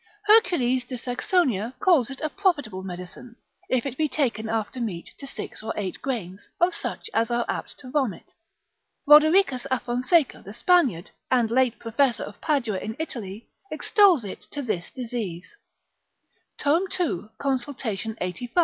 Hercules de Saxonia calls it a profitable medicine, if it be taken after meat to six or eight grains, of such as are apt to vomit. Rodericus a Fonseca the Spaniard, and late professor of Padua in Italy, extols it to this disease, Tom. 2. consul. 85. so doth Lod.